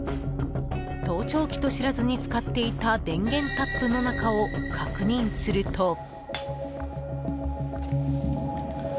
盗聴器と知らずに使っていた電源タップの中を確認すると。